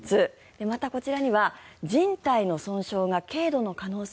また、こちらにはじん帯の損傷が軽度の可能性？